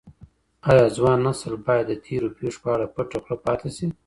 ايا ځوان نسل بايد د تېرو پېښو په اړه پټه خوله پاته سي؟